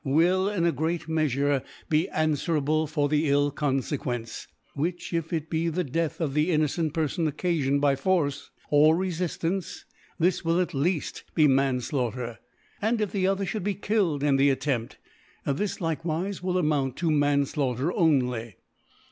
will, ins great Meafure, be anfwerable for the ill Con fcquence ; which if it be the Death of the innocent Perfon occafioned by Force or Re fiftance, this will, at leaft, be Manflaugh^ ter 5 and if the other fhould be killed in the Attenript, this likewife will amount to Manflaughter only *.